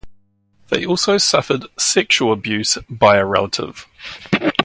They also suffered sexual abuse by a relative.